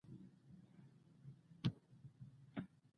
د ماشوم د خوب لپاره د کوم شي تېل وکاروم؟